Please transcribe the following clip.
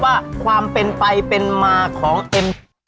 ว่าความเป็นไปเป็นมาของเอ็ม